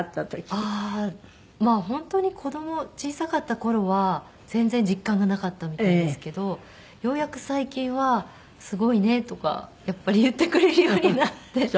まあ本当に子供小さかった頃は全然実感がなかったみたいですけどようやく最近は「すごいね」とかやっぱり言ってくれるようになって。